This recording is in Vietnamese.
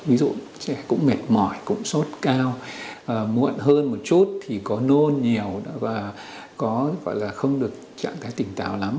ví dụ trẻ cũng mệt mỏi cũng sốt cao muộn hơn một chút thì có nôn nhiều và không được trạng thái tỉnh tạo lắm